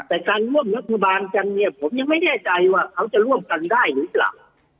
แต่การร่วมรัฐบาลกันเนี่ยผมยังไม่แน่ใจว่าเขาจะร่วมกันได้หรือเปล่า